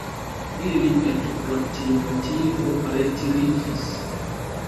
Iuj eĉ pro tiu motivo retiriĝis.